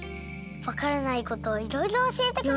わからないことをいろいろおしえてくれるんです。